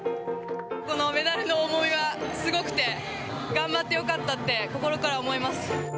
このメダルの重みがすごくて、頑張ってよかったって、心から思います。